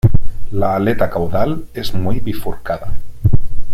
La aleta caudal es muy bifurcada.